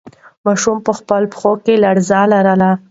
ماشوم په خپلو پښو کې لړزه لرله.